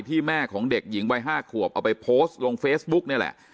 แม่ของเด็กหญิงวัย๕ขวบเอาไปโพสต์ลงเฟซบุ๊กนี่แหละ